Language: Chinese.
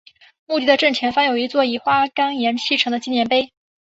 墓地的正前方有一座以花岗岩砌成的纪念碑。